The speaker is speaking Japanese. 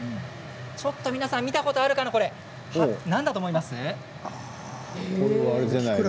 ちょっと皆さん見たことあるかな何だと思いますか。